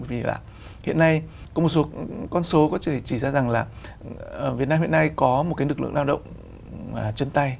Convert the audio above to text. vì hiện nay có một số con số có thể chỉ ra rằng là việt nam hiện nay có một cái lực lượng lao động chân tay